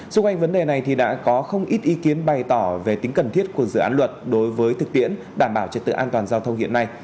xung quanh vấn đề này thì đã có không ít ý kiến bày tỏ về tính cần thiết của dự án luật đối với thực tiễn đảm bảo trật tự an toàn giao thông hiện nay